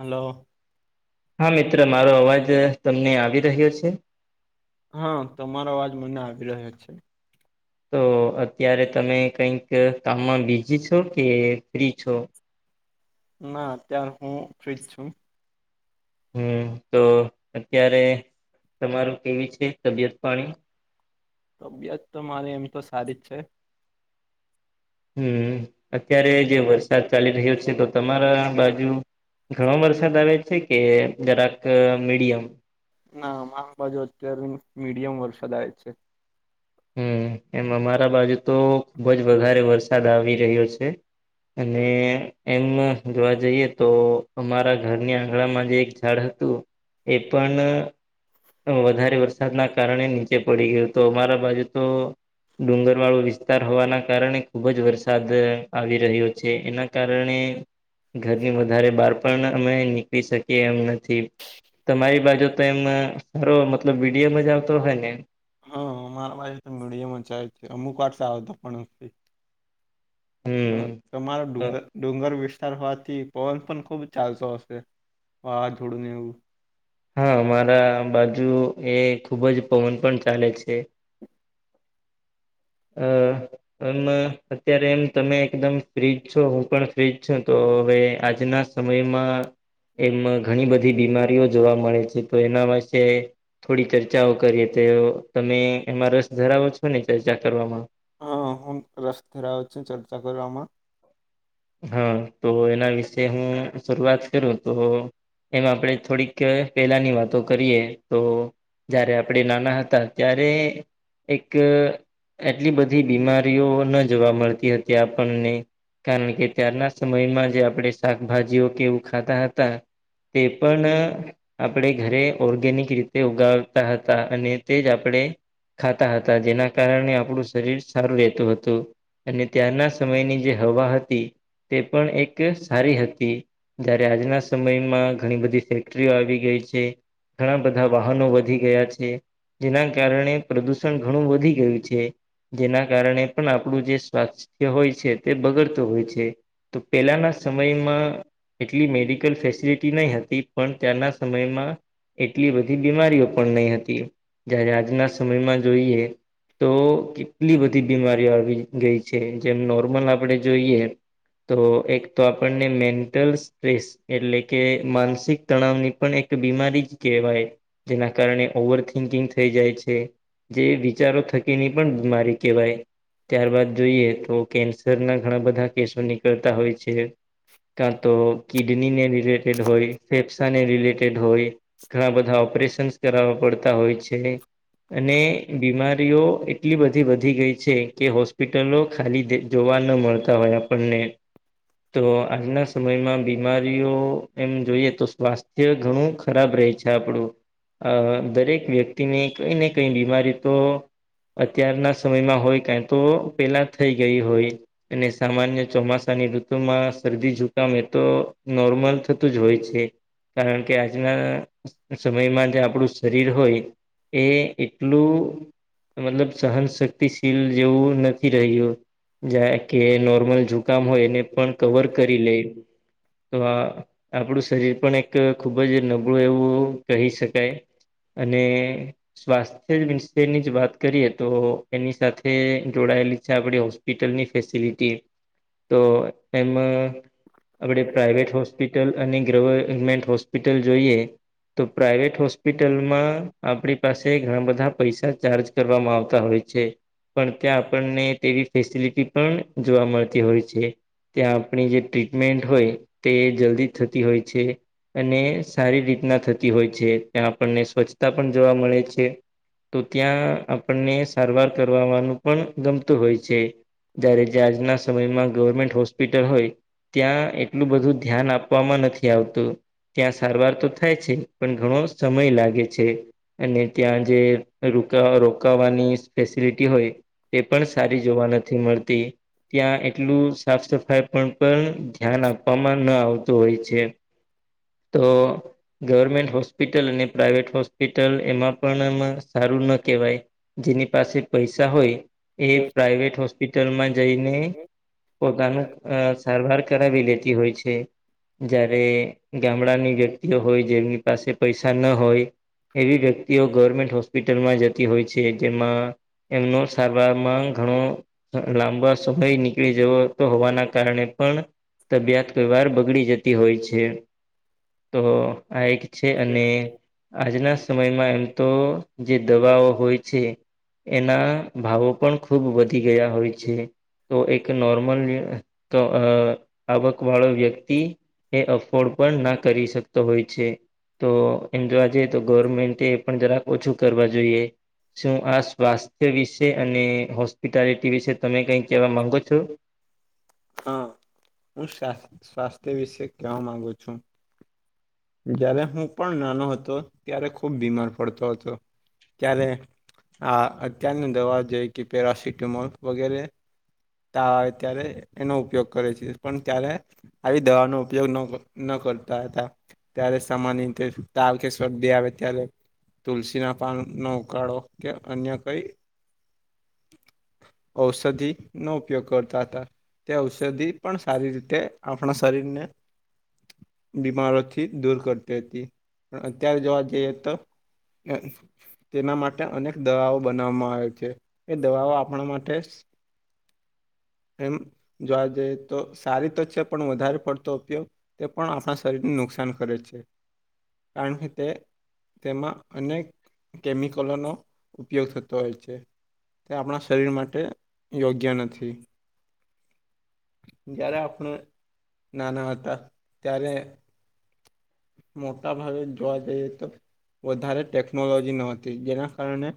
Hello હા મિત્ર મારો અવાજ તમને આવી રહ્યો છે. હા તમારો અવાજ મને આવી રહ્યા છે. તો અત્યારે તમે કંઈક કામમાં બીઝી છો કે ફ્રી છો. ના અત્ય્યારે હું ફ્રીજ છું. હમ તો અત્યારે તમારું કેવી છે તબિયત પાણી. તબિયત તો મારે એમ તો સારી જ છે. હમ અત્યારે જે વરસાદ ચાલી રહ્યો છે તો તમારા બાજુ. ઘણો વરસાદ આવે છે કે જરાક મીડિયમ. ના મામ બાજુ અત્યારે મીડિયમ વરસાદ આવે છે. હમ એમ અમારા બાજુ તો ખુબ જ વધારે વરસાદ આવી રહ્યો છે. અને એમ જોવા જઈએ તો અમારા ઘરની આંગણામાં જે એક. સ્થળ હતું એ પણ. વધારે વરસાદના કારણે નીચે પડી ગયું તોમારા બાજુ તો. ડુંગર વાળો વિસ્તાર હોવાના કારણે ખુબ જ વરસાદ આવી રહ્યો છે એના કારણે. ઘરની વધારે બહાર પણ અમે નીકળી શકીએ એમ નથી. તમારી બાજુ તો એમ સારો મતલબ વિીડયો મ જ આવતો હોય ને. હા મારા બાજુ તો મીડિયામાં જાય છે અમુક વાટ આવ તો પણ. હમ તમારો ડુંગર ડુંગર વસ્. વિાર હોવાથી પવન પણ ખુબ ચાલતો હશે વાવાઝોડું ને એવું. હા મારા બાજુ એ ખુબ જ પવન પણ ચાલે છે. હ. એમ અત્યારે એમ તમે એકદમ ફ્રીજ છો હું પણ ફ્રીજ છું તો હવે આજના. સમયમાં એમાં ઘણી બધી બીમારીઓ જોવા મળે છે તો એના પાસે. થોડી ચર્ચાઓ કરીએ તો તમે એમાં રસ ધરાવો છો ને ચર્ચા કરવામાં. હ હું રસ્તેરા આવ છ ચર્ચા કરવામાં. હા તો એના વિશે હું શરૂઆત કરું તો. એમ આપણે થોડીક પેલાની વાતો કરીએ તો. જારે આપણે નાના હતા ત્યારે એક એટલી બધી બીમારીઓ ન જોવા મળતી હતી આપણને કારણ કે કે ત્યારના સમયમાં જે આપણે શાકભાજીઓ કેવું ખાતા હતા તે પણ આપણે ઘરે ઓર્ગેનિક રીતે ઉગાવતા હતા અને તે જ આપણે ખાતા હતા જેના કારણે આપણું શરીર સારું રહેતું હતું અને ત્યારના સમયની જે હવા હતી તે પણ એક સારી હતી જયારે આજના સમયમાં ઘણી બધી ફેક્ટરીઓ આવી ગઈ છે ઘણા બધા વાહનો વધી ગયા છે જેના કારણે પ્રદુષણ ઘણું વધી ગયું છે જેના કારણે પણ આપડું જે સ્વાસ્થ્ય હોય છે તે બગડતું હોય છે તો પેલાના સમયમાં એટલી મેડિકલ ફેસિલિટી નહી હતી પણ ત્યાંના સમયમાં એટલી બધી બીમારીઓ પણ નહી હતી જ્યારે આજના સમયમાં જોઈએ તો કેટલી બધી બીમારીઓ આવી ગઈ છે જેમ નોર્મલ આપણે જોઈએ તો એક તો આપણને મેન્ટલ સ્ટ્રેસ એટલે કે માનસિક તણાવની પણ એક બીમારી જ કહેવાય જેના કારણે ઓવર થિંકિંગ થઈ જાય છે જે વિચારો થકીની પણ બીમારી કેહેવાય ત્યારબાદ જોઈએ તો કેન્સરના ઘણા બધા કેસો નીકળતા હોય છે ક્યાં તો કિડનીને રિલેટેડ હોય ફેફસાને રિલેટેડ હોય ઘણા બધા ઓપરેશનસ કરવા પડતા હોય છે અને બીમારીઓ એટલી બધી વધી ગઈ છે કે હોસ્પિટલો ખાલી જોવા ન મળતા હોય આપણને તો આજના સમયમાં બીમારીઓ એમ જોઈએ તો સ્વાસ્થ્ય ઘણું ખરાબ રહે છે આપણું દરેક વ્યક્તિને કઈ ને કઈ બીમારી તો અત્યારના સમયમાં હોય કં તો પેલા થઈ ગઈ હોય અને સામાન્ય ચોમાસાની ઋતુમાં શરદી જુકામ એ તો નોર્મલ થતું જ હોય છે કારણ કે આજના સમયમાં જે આપણું શરીર હોય એ એટલું મતલબ સહન શક્તિશીલ જેવું નથી રહ્યું કે નોર્મલ કામ હોય એને પણ કવર કરી લે તો આ આપણું શરીર પણ એક ખૂબ જ નબળું એવું કહી શકાય અને સ્વાસ્થ્ય વિશેની જ વાત કરીએ તો એની સાથે જોડાયેલી છે આપ હોસ્ હોસ્પિટલની ફેસિલિટી તો એમાં આપણે પ્રાઇવેટ હોસ્પિટ અને ગવર્મેન્ટ હોસ્પિટલ જોઈએ તો પ્રાાઈવેટ હોસ્પિટલમાં આપણી પાસે ઘણા બધા પૈસા ચાર્જ કરવામાં આવતા હોય છે પણ ત્યાં આપણને તેવી ફેસિલિટી પણ જોવા મળતી હોય છે ત્યાં આપણી જે ટ્રીટમેન્ટ હોય તે જલ્દી થતી હોય છે અને સારી રીતના થતી હોય છે ત્યાં આપણને સ્વચ્છતા પણ જોવા મળે છે તો ત્યાં આપણને સારવાર કરવાનું પણ ગમતું હોય છે જયારે જે આજના સમયમાં ગવર્મેન્ટ હોસ્પિટલ હોય ત્યાં એટલું બધું ધ્યાન આપવામાં નથી આવતું ત્યાં સારવાર તો થાય છે પણ ઘણો સમય લાગે છે અને ત્યાં જે ર રોકાવાની ફેસિલિટી હોય તે પણ સારી જોવા નથી મળતી ત્યાં આટલું સાફ સફાઈ પણ પણ ધ્યાન આપવામાં ન આવતું હોય છે તો ગવર્મેન્ટ હોસ્પિટલ અને પ્રાાઈવેટ હોસ્પિટલ એમાં પણ સારું ન કહેવાય જેની પાસે પૈસા હોય એ પ્રઇવેટ હોસ્પિટલમાં જઈને પોતાનું અ સારવાર કરાવી લેતી હોય છે જયારે ગામડાની વ્યક્તિઓ હોય જેમની પાસે પૈસા ન હોય એવી વ્યક્તિઓ ગવર્મેન્ટ હોસ્પિટલમાં જતી હોય છે જેમાં એમનો સારવાર માં ઘણો લાંબા સમયની નીળી જવ હોવાના કારણે પણ તબિયત કઈ વાર બગડી જતી હોય છે તો આ એક છે અને આજના સમયમાં એમ તો જે દવાઓ હોય છે એના ભાવો પણ ખૂબ વધી ગયા હોય છે તો એક નોર્મલ આવક વાળો વ્યક્તિ એ અફોર્ડ પણ ના કરી શકતો હોય છે તો એમ જોવા જઈએ તો ગવર્મેન્ટ પણ જરાક ઓછું કરવા જોઈએ શું આ સ્વાસ્થ્ય વિશે અને હોસ્પિટાલિટી વિશે તમે કઈ કહેવા માંગો છો હ હું સ્વાસ્થ્ય વિશે કવા માંગુ છું જય્યારે હું પણ નાનો હતો ત્યારે ખુબ બીમાર પડતો હતો ત્યારે આ અત્યારની દવા જે કે પેરાસિટમોલ વગેરે ત આવે ત્યારે એનો ઉપયોગ કરે છે પણ ત્યારે આવી દવા ન ઉપયોગ ન ન કરતા હતા ત્યારે સમાન રતે તાલ કે શરદી આવે ત્યારે તુલસી ના પાન નો ઉકાળો કે અન્ય કઈ ઔષધિ નો ઉપયોગ કરતા હતા તે ઔષધિ પણ સારી રીતે આપણા શરીરને બીમારો થી દૂર કરતી હતી પણત્ય્યારે જ જે તેના માટે અનેક દવાઓ બનાવવામાં આવે છે એ દવાઓ આપણા માટે એમ જોવા જઈએ તો સારી તો છે પણ વધારે પડતો ઉપયોગ તે પણ આપણા શરીરને નુકસાન કરે છે કારણ કે તે તેમાં અનેક કેમિકલોનો ઉપયોગ થતો હોય છે તે આપણા શરીર માટે યોગ્ય નથી જયારે આપણે નાના હતા ત્યારે મોટા ભાવ જોવા જાયએ તો વધ વધારે ટેકનોલોજી ન હતી જેના કારણે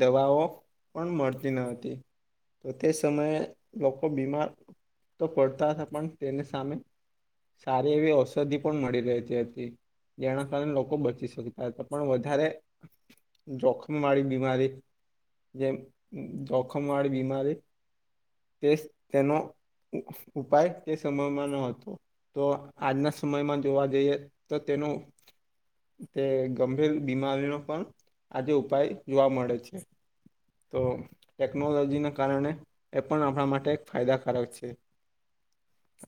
દવાઓ પણ મળતી ન હતી તો તે સમયે લોકો બીમાર તો પડતા હતા પણ તેની સામે સારી એવી ઔષધિ પણ મળી રહી છે જેના કારણે લોકો બચી શકતા હતા પણ વધારે જોખમ વાળી બીમારી જેમ જોખમ વાળી બીમારી તે તેનો ઉપાય તે સમયમાં ન હતો તો આજના સમયમાં જોવા જઈએ ત તેનો તે ગંભીર બીમારીનો પણ આજે ઉપાય જોવા મળે છે તો ટેકનોલોજીના કારણે એ પણ આપણા માટે એક ફાયદાકારક છે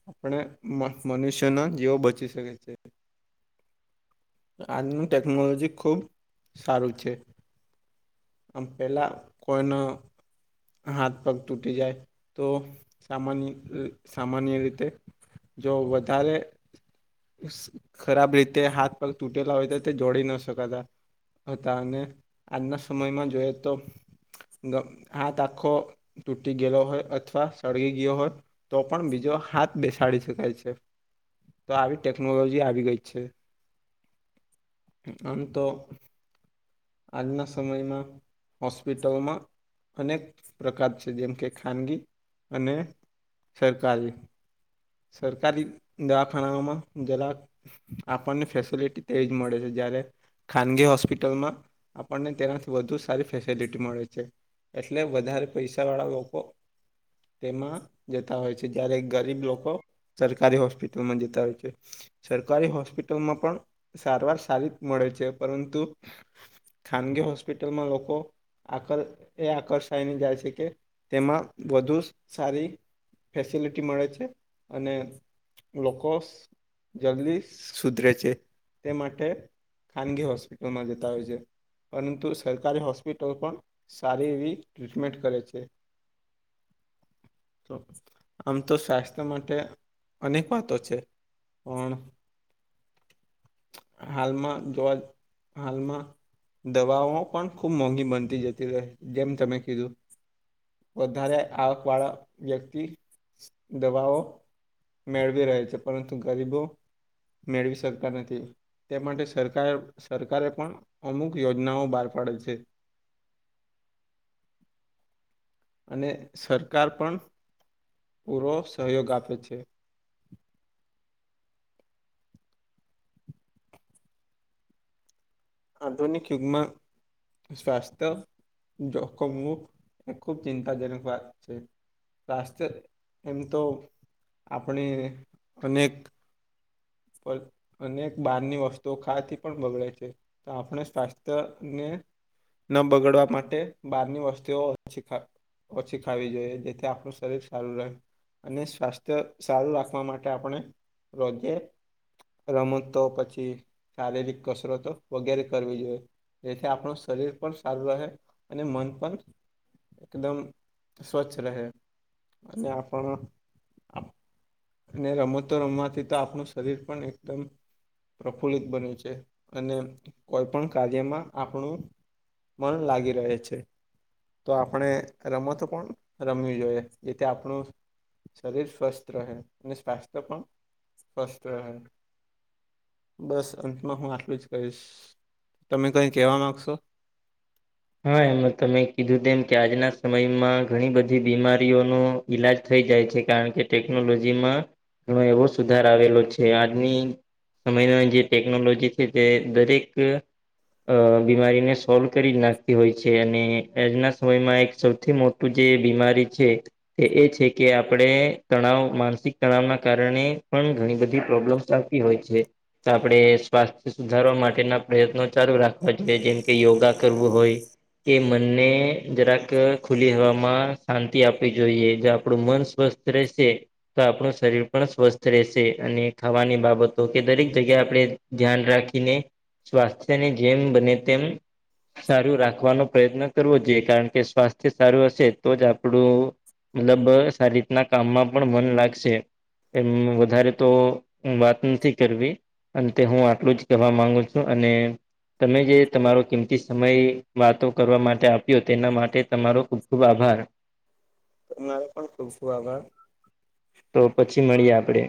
આપણે મનુષ્યના જીવો બચી શકે છે આજની ટેકનોલોજી ખૂબ સારું છે આમ પેલા કોઈનો હાથ પગ તૂટી જાય તો સામાન્ય સામાન્ય રીતે જો વધારે ખરાબ રીતે હાથ પગ તૂટેલા હોય તો તે જોડી ના શકાતા હતા અને આજના સમયમાં જોઈએ તો હાથ આખો તૂટી ગયલો હોય અથવા સળગી ગયો હોત. તો પણ બીજો હાથ બેસાડી શકાય છે તો આવી ટેકનોલોજી. આવી ગઈ છે આમ તો. આજના સમયમાં હોસ્પિટલમાં. અનેક પ્રકાર છે જેમ કે ખાનગી અને સરકારી. સરકારી દવાખાનાઓમાં જરાક. આપણને ફેસિલિટી તેજ મળે છે જયારે ખાનગી હોસ્પિટલમાં. આપણને તેનાથી વધુ સારી ફેસિલિટી મળે છે. એટલે વધારે પૈસા વાળા લોકો. તેમાં જતા હોય છે જયારે ગરીબ લોકો. સરકારી હોસ્પિટલમાં જતા હોય છે સરકારી હોસ્પિટલમાં પણ. સારવાર સારી જ મળે છે પરંતુ ખાનગી હોસ્પિટલમાં લોકો. આકર્ એ આકર્ષાયને જાય છે કે તેમાં વધુ સારી. ફેસિલિટી મળે છે અને લોકો. જલ્દી સુધરે છે તે માટે ખાનગી હોસ્પિટલમાં જતા હોય છે. પરંતુ સરકારી હોસ્પિટલો પણ સારી એવી ટ્રીટમેન્ટ કરે છે. તો આમ તો સ્વાસ્થ્ય માટે અનેક વાતો છે. પણ હાલમાં જોવા જ હાલમાં. દવાઓ પણ ખુબ મોંઘી બનતી જતી રહે જેમ તમે કીધું. વધારે આવક વાળા વ્યક્તિ દવાઓ. મેળવી રહ રહેાય છે પરંતુ ગરીબો. મેળવી શકતા નથી તે માટે સરકાર સરકારે પણ અમુક. યોજનાઓ બહાર પાડે છે. [inaudible] અને સરકાર પણ પૂરો સહયોગ આપે છે. આધુનિક યુગમાં. સ્વાસ્થ્ય જોખમવું એ ખૂબ ચિંતાજનક વાત છે. સ્સ્થ્ય એમ તો આપણે અનેક. અનેક બહારની વસ્તુઓ ખાવાથી પણ બગડે છે. તો આપણે સ્વાસ્થ્ય ને. ન બગાડવા માટે બારની વસ્તીુઓ શીખ. ઓછી ખાવી જોઈએ જેથી આપણું શરીર સારું રહે. અને સ્વાસ્થ્ય સારું રાખવા માટે આપણે રોજે. રમતો પછી શારીરિક કસરતો વગેરે કરવી જોઈએ. જેથી આપણું શરીર પણ સારું રહે અને મન પણ એકદમ. સ્વચ્છ રહે. અને આપણ અને રમ તો રમવાથી તો આપણું. શરીર પણ એકદમ. પ્રફુલ્લિત બન છે અને કોઈ પણ કાર્યમાં આપણું. પણ લાગી રહે છે. તો આપણે રમત પણ રમવી જોઈએ જે તે આપણું. શરીર સ્વસ્થ રહે અને સ્વાસ્થ્ય પણ. સ્વસ્થ. બસ અંતમાં હું આટલું જ કહીશ તમે કઈ કેવા માંગશો. હા એમ તમે કીધું તેમમ કે આજના સમયમાં ઘણી બધી બીમારીઓનું. ઈલાજ થઈ જાય છે કારણ કે ટેકનોલોજીમાં. એવો સુધાર આવેલો છે આજની. સમયના જે ટેકનોલોજી છે તે દરેક. અ બીમારીને સોલ્વ કરી જ નાખ. હોય છે અને આજના સમયમાં એક સૌથી મોટું જે બીમારી છે. તે એ છે કે આપણે તણાવ માનસિક તણાવના કારણે પણ ઘણી બધી પ્રોબ્લેમ્સ હોય છે તો આપણે સ્વાસ્થ્ય સુધારવા માટેના પ્રયત્નો ચાલુ રાખવા જોઈએ જેમકે યોગા કરવું હોય એ મનને જરાક ખુલી હવામાં શાંતિ આપવી જોઈએ જે આપણું મન સ્વસ્થ તર છે તો આપણું શરીર પણ સ્વસ્થ રહેશે અને ખાવાની બાબતો કે દરેક જગ્યાએ આપણે ધ્યાન રાખીને સ્વાસ્થ્યને જેમ બને તેમ સારું રાખ રાખવાનો પ્રયત્ન કરવો જોઈએ કારણ કે સ્વાસ્થ્ય સારું હશે તો જ આપણું મતલબ સારી રીતના કામમાં પણ મન લાગશે એમ વધારે તો વાત નથી કરવી અંતે હું આટલું જ કહેવા માંગુ છું અને તમે જે તમારો કિંમતી સમય વાતો કરવા માટે આપ્યો તેના માટે તમારો ખૂબ ખૂબ આભાર તમારે પણ શું શું આભાર તો પછી મળીએ આપડે